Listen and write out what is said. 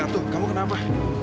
gatuh kamu kenapa